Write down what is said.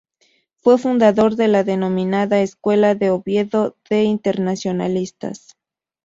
Fue fundador de la denominada "Escuela de Oviedo de Internacionalistas".